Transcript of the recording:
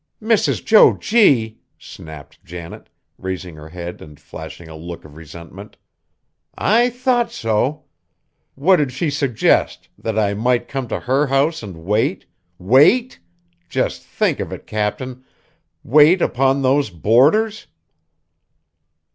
"Mrs. Jo G.!" snapped Janet, raising her head and flashing a look of resentment, "I thought so! What did she suggest that I might come to her house and wait wait, just think of it, Cap'n, wait upon those boarders?"